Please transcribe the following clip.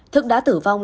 thức đã tử vong